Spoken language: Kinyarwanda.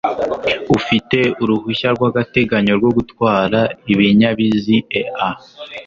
ufite uruhushya rw'agateganyo rwo gutwara ibinyabiziea